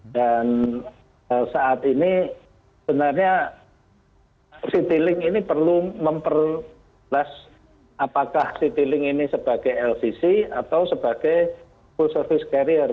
dan saat ini benarnya citilink ini perlu memperles apakah citilink ini sebagai lcc atau sebagai full service carrier